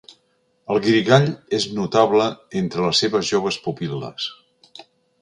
El guirigall és notable entre les seves joves pupil·les.